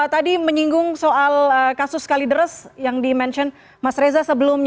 tadi menyinggung soal kasus kalideres yang di mention mas reza sebelumnya